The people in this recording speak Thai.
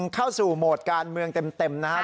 เข้าสู่โหมดการเมืองเต็มนะครับ